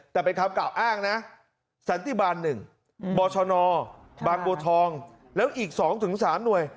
แต่เป็นคำกล่าวอ้างนะสันติบาล๑บชนบางบัวทองแล้วอีก๒๓หน่วย